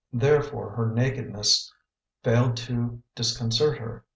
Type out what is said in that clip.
Therefore her nakedness failed to dis concert her.